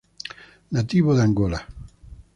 Nativo de Angola.